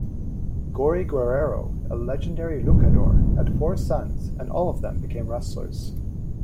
Gory Guerrero, a legendary luchador, had four sons and all of them became wrestlers.